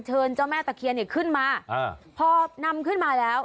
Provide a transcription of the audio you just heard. เจ้าแม่ตะเคียนขึ้นมาพอนำขึ้นมาแล้ว